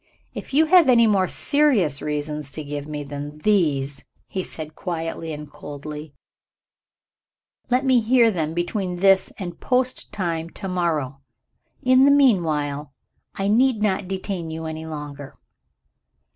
"If you have any more serious reasons to give me than these," he said quietly and coldly, "let me hear them between this and post time tomorrow. In the meanwhile, I need not detain you any longer."